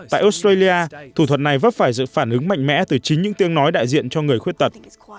tại australia thủ thuật này vấp phải sự phản ứng mạnh mẽ từ chính những tiếng nói đại diện cho người khuyết tật